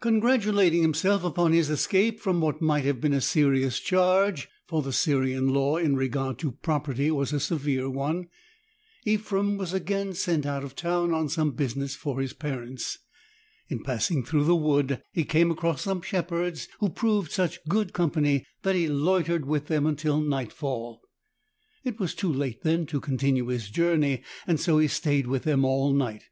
Congratulating himself upon his escape from what might have been a serious charge — for the Syrian law in regard to property was a severe one — Ephrem was again sent out of town on some business for his parents. In passing through the wood he came across some shepherds, who proved such good company that he loitered with them until nightfall. It was too late then to continue his journey, and so he stayed with them all night.